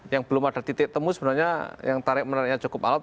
yang belum ada titik temu sebenarnya yang tarik menariknya cukup alat